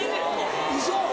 ・ウソ！